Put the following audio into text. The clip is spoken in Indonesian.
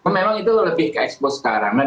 memang itu lebih ke expose sekarang